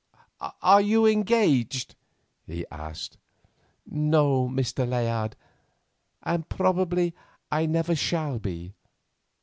"Are you engaged?" he asked. "No, Mr. Layard; and probably I never shall be.